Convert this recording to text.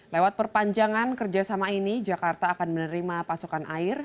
lewat perpanjangan kerjasama ini jakarta akan menerima pasokan air